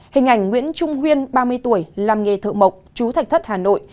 hình ảnh nguyễn trung huyên ba mươi tuổi làm nghề thợ mộc chú thạch thất hà nội